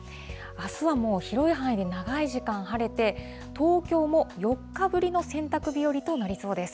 あすはもう広い範囲で長い時間晴れて、東京も４日ぶりの洗濯日和となりそうです。